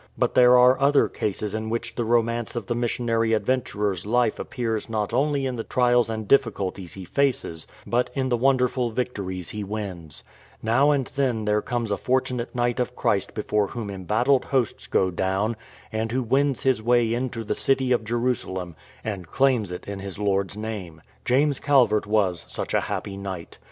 But there are other cases in which the romance of the missionary adventurer*'s life appears not only in the trials and difficulties he faces, but in the 320 A HAPPY CHRISTIAN WARRIOR wonderful victories he wins. Now and then there comes a fortunate knight of Christ before whom embattled hosts go down, and who wins his way into the City of Jerusalem and claims it in his Lord's name. James Calvert was such a happy knight.